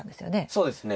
そうですね